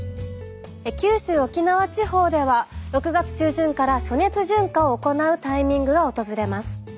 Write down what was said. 九州沖縄地方では６月中旬から暑熱順化を行うタイミングが訪れます。